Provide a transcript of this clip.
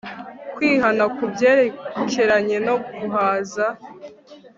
kwihana ku byerekeranye no guhaza